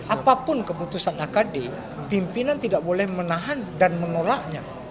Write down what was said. apapun keputusan akd pimpinan tidak boleh menahan dan menolaknya